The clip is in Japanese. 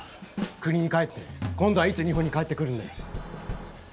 国に帰って今度はいつ日本に帰ってくるんだよ？